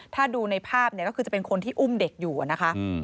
ถ้าดูในภาพเนี่ยก็คือจะเป็นคนที่อุ้มเด็กอยู่นะคะ